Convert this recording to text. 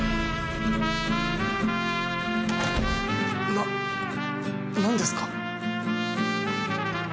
な何ですか？